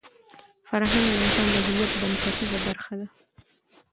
فرهنګ د انسان د هویت بنسټیزه برخه ده.